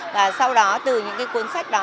và sau đó từ những cuốn sách đó